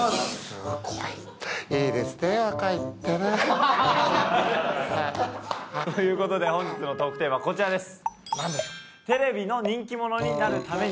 「すごい」ということで本日のトークテーマこちらです。